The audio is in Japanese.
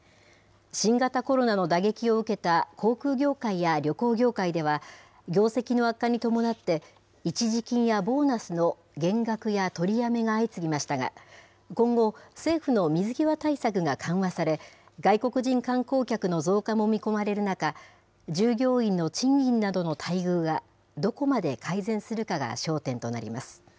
新型コロナの打撃を受けた航空業界や旅行業界では、業績の悪化に伴って、一時金やボーナスの減額や取りやめが相次ぎましたが、今後、政府の水際対策が緩和され、外国人観光客の増加も見込まれる中、従業員の賃金などの待遇が、どこまで改善するかが焦点となります。